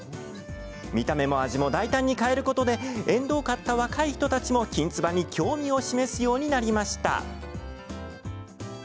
見た目も味も大胆に変えることで縁遠かった若い人たちもきんつばに興味を示すようになりました。